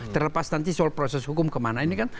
terlepas nanti soal proses hukum kemana ini kan